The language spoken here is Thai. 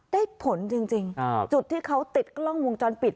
ได้ผลจริงจริงอ่าจุดที่เขาติดก็ล่องวงจรปิด